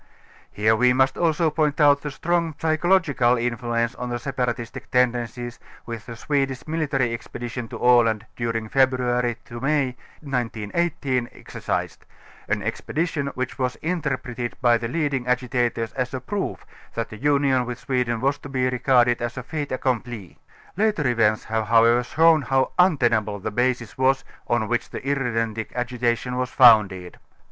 Here we must also point out the strong psychological influence on the separatistic tendencies, which the Swedish military expedition to Aland during Febr. ŌĆö May 1918 exercised ŌĆö an expedition which was interpreted by the leading agitators as a proof that the union with Sweden was to be regarded as a fait accompli. Later events have however shown how untenable the basis was on which the irredentic agitation was founded.